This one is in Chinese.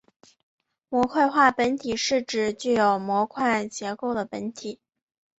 模块化本体是指具有模块结构的本体。